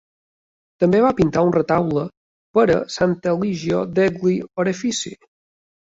També va pintar un retaule per a "Sant'Eligio degli Orefici".